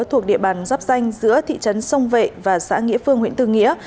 thuộc địa bàn giáp danh giữa thị trấn sông vệ và xã nghĩa phương huyện tư nghĩa